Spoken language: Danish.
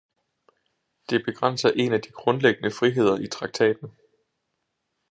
Det begrænser en af de grundlæggende friheder i traktaten.